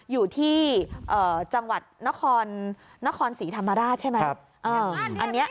อยู่ที่จังหวัดนครศรีธรรมราชใช่ไหม